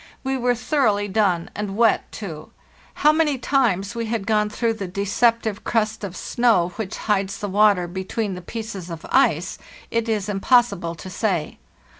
We were thoroughly done, and wet too. How many times we had gone through the deceptive crust of snow which hides the water between the pieces of ice it is impossible to say.